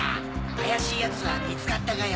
怪しい奴は見つかったかよ？